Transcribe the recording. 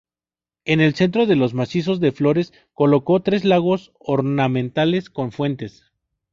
En el centro de los macizos de flores colocó tres lagos ornamentales con fuentes.